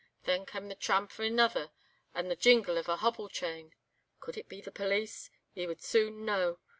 Then cam' the tramp o' anither and the jingle o' a hobble chain. Could it be the police? He would soon know.